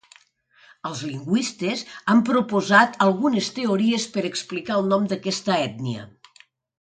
Els lingüistes han proposat algunes teories per explicar el nom d'aquesta ètnia.